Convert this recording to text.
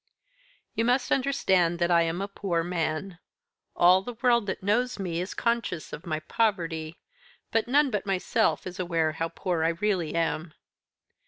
"You must understand that I am a poor man. All the world that knows me is conscious of my poverty, but none but myself is aware how poor I really am.